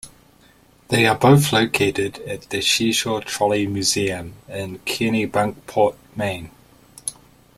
They are both located at the Seashore Trolley Museum in Kennebunkport, Maine.